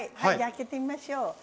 開けてみましょう。